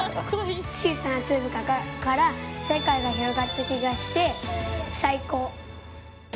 小さな粒から世界が広がった気がして最高！